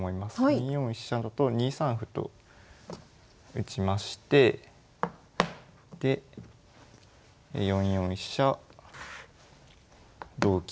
２四飛車だと２三歩と打ちましてで４四飛車同金。